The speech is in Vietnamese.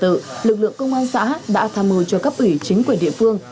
trật tự lực lượng công an xã đã tham mưu cho các ủy chính quyền địa phương